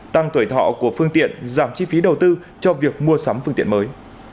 tăng tuổi thọ của phương tiện giảm chi phí đầu tư cho việc mua sắm phương tiện mới